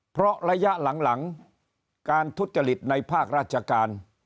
เพราะระยะหลังการทุจริตในภาคราชการ